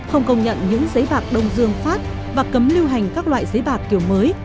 không công nhận những giấy bạc đông dương phát và cấm lưu hành các loại giấy bạc kiểu mới